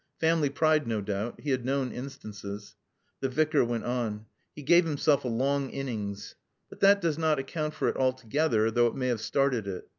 Family pride, no doubt. He had known instances. The Vicar went on. He gave himself a long innings. "But that does not account for it altogether, though it may have started it.